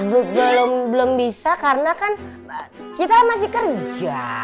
belum belum bisa karena kan kita masih kerja